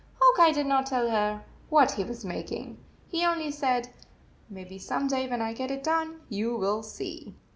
Hawk Eye did not tell her what he was making. He only said, " Maybe some day, when I get it done, you will see."